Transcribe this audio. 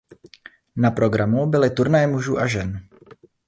Na programu byly turnaje mužů a žen.